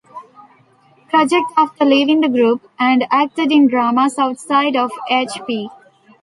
Project after leaving the group, and acted in dramas outside of H!P.